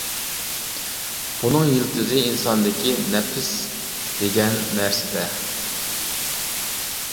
بۇنىڭ يىلتىزى ئىنساندىكى «نەپىس» دېگەن نەرسىدە.